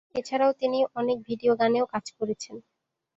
এছাড়াও তিনি অনেক ভিডিও গানেও কাজ করেছেন।